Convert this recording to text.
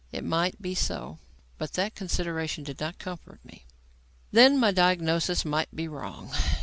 It might be so, but that consideration did not comfort me. Then, my diagnosis might be wrong.